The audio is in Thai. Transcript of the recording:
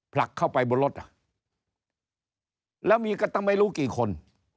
ผลักเข้าไปบนรถอ่ะแล้วมีกันตั้งไม่รู้กี่คน